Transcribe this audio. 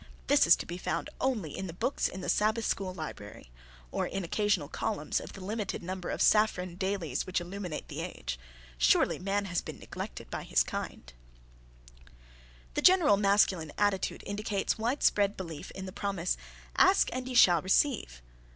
This is to be found only in the books in the Sabbath School library, or in occasional columns of the limited number of saffron dailies which illuminate the age. Surely, man has been neglected by his kind! [Sidenote: Indecision] The general masculine attitude indicates widespread belief in the promise, "Ask, and ye shall receive."